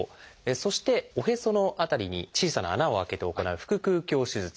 そしておへその辺りに小さな穴を開けて行う「腹腔鏡手術」。